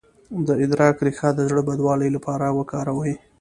د ادرک ریښه د زړه بدوالي لپاره وکاروئ